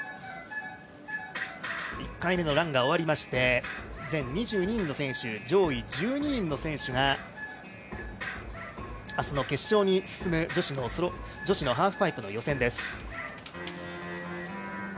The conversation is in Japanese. １回目のランが終わりまして全２２人の選手の中で上位１２人の選手があすの決勝に進む女子のハーフパイプの予選です。